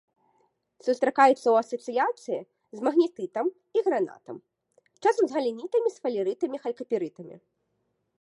Сустракаецца ў асацыяцыі з магнетытам і гранатам, часам з галенітам, сфалерытам, халькапірытам.